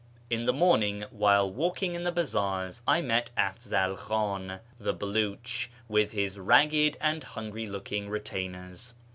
— In the morning, while walking in the bazaars, I met Afzal Khan, the Beliich, with his ragged and hungry looking retainers.